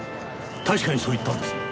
確かにそう言ったんですね？